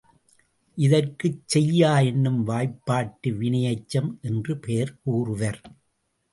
இதற்குச் செய்யா என்னும் வாய்பாட்டு வினையெச்சம் என்று பெயர் கூறுவர்.